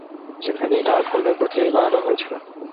সেখানেই ডার্কহোল্ডের প্রতিলিপি বানানো হয়েছিল।